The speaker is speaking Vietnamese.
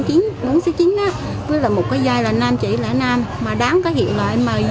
với là một cái dây là nam chỉ là nam mà đáng có hiệu là m a d